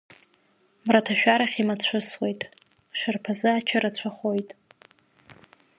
Мраҭашәарахь имацәысуеит, шарԥазы ача рацәахоит.